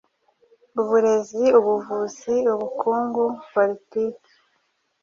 uburezi, ubuvuzi, ubukungu, politiki.